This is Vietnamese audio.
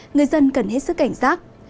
người dân cần hết sức cảnh giác